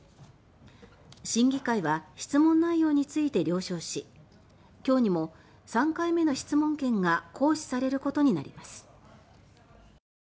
審議会は質問内容について了承し今日にも３回目の質問権が行使されることになります。